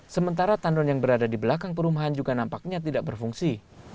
sementara tandon yang berada di belakang perumahan juga nampaknya tidak berfungsi